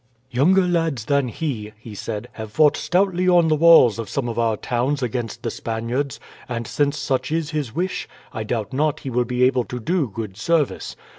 "Younger lads than he," he said, "have fought stoutly on the walls of some of our towns against the Spaniards; and since such is his wish, I doubt not he will be able to do good service.